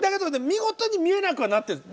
見事に見えなくはなってる。